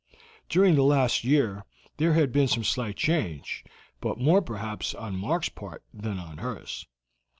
During the last year there had been some slight change, but more, perhaps, on Mark's part than on hers.